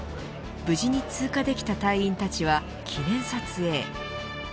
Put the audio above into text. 無事に通過できた隊員たちは記念撮影。